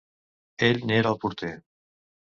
Ell n'era el porter.